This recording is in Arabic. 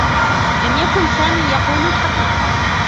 لم يكن سامي يقول الحقيقة.